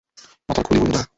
মাথার খুলি উড়িয়ে দাও!